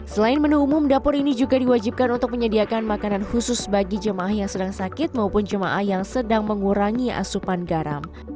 selain menu umum dapur ini juga diwajibkan untuk menyediakan makanan khusus bagi jemaah yang sedang sakit maupun jemaah yang sedang mengurangi asupan garam